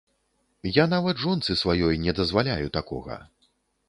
Я нават жонцы сваёй не дазваляю такога.